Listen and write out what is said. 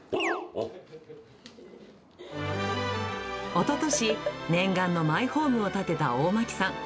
おととし、念願のマイホームを建てた大牧さん。